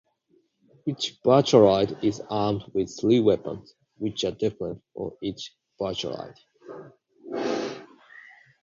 Each virtuaroid is armed with three weapons, which are different for each virtuaroid.